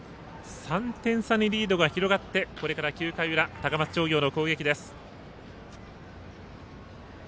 ３点差にリードが広がってこれから９回裏高松商業の攻撃です。